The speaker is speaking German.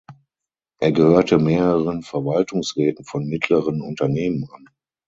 Er gehörte mehreren Verwaltungsräten von mittleren Unternehmen an.